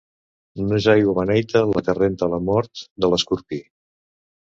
No és aigua beneita la que renta la mort de l'escorpí.